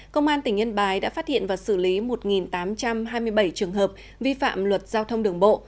công an tỉnh yên bái đã phát hiện và xử lý một tám trăm hai mươi bảy trường hợp vi phạm luật giao thông đường bộ